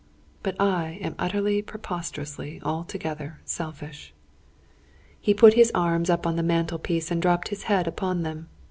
But I am utterly, preposterously, altogether, selfish!" He put his arms upon the mantel piece and dropped his head upon them.